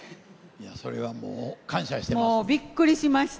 それはもう、感謝してます。